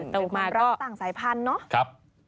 เป็นความรักสั่งสายพันธุ์เนอะ